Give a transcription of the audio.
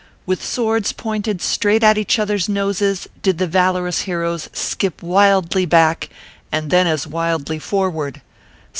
With swords pointed straight at each other s noses did the valorous heroes skip wildly back, and then as wildly forward.